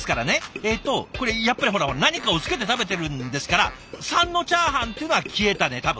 えっとこれやっぱり何かをつけて食べてるんですから３のチャーハンっていうのは消えたね多分。